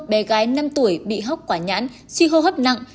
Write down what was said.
bé gái năm tuổi bị hốc quả nhãn suy hô hấp nặng